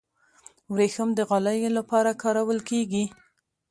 وریښم د غالیو لپاره کارول کیږي.